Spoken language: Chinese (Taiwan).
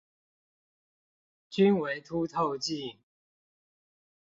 均為凸透鏡